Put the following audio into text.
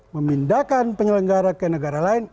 memindahkan penyelenggara ke negara lain